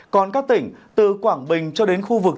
còn các tỉnh từ quảng bình cho đến khu vực